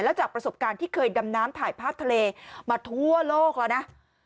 แล้วจากประสบการณ์ที่เคยดำน้ำถ่ายภาพทะเลมาทั่วโลกแล้วนะ